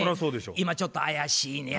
今ちょっと怪しいねや。